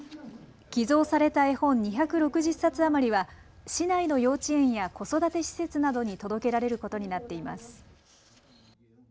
寄贈された絵本２６０冊余りは市内の幼稚園や子育て施設などに届けられることになっています。